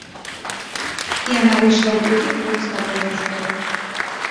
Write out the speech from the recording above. Яна выйшла ў другі круг спаборніцтваў.